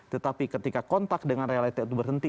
tetapi ketika kontak dengan realita itu berhenti